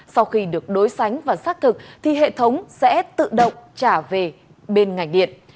sau khi được đối sánh và xác thực thì hệ thống sẽ tự động trả về bên ngành điện